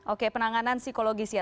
oke penanganan psikologis ya